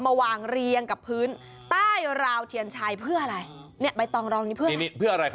มาวางเรียงกับพื้นใต้ราวเทียนชัยเพื่ออะไรเนี่ยใบตองรองนี้เพื่ออะไรครับ